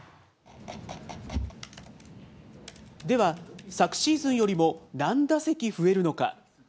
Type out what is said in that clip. では、昨シーズンよりも何打席増えるのか。